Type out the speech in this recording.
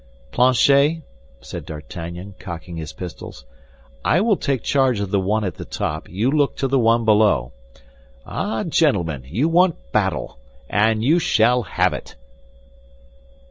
"Planchet," said D'Artagnan, cocking his pistols, "I will take charge of the one at the top; you look to the one below. Ah, gentlemen, you want battle; and you shall have it."